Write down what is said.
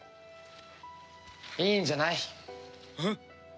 いいんじゃない？えっ？